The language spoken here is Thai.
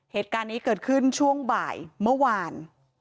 เหตุการณ์นี้เกิดขึ้นช่วงบ่ายเมื่อวาน